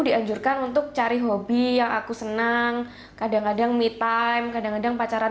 dianjurkan untuk cari hobi yang aku senang kadang kadang me time kadang kadang pacaran